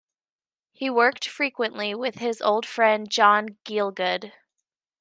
He worked frequently with his old friend John Gielgud.